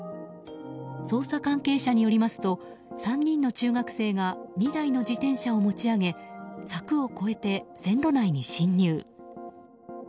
捜査関係者によりますと３人の中学生が２台の自転車を持ち上げ柵を越えて線路内に進入。